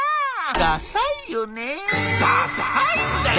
「ダサいよね」。